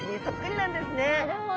なるほど。